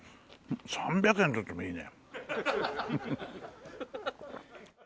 ３００円取ってもいいね。